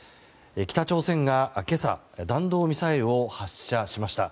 北朝鮮が今朝、弾道ミサイルを発射しました。